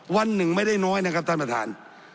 วันหนึ่งไม่ได้น้อยนะครับท่านประธาน